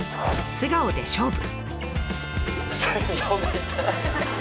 素顔で勝負！